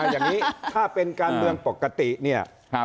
อย่างนี้ถ้าเป็นการเมืองปกติเนี่ย